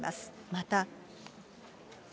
また。